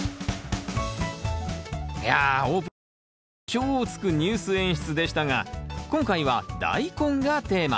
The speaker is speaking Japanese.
いやオープニングから意表をつくニュース演出でしたが今回はダイコンがテーマ。